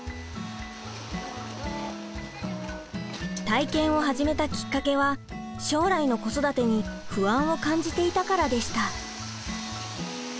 体験を始めたきっかけは将来の子育てに不安を感じていたからでした。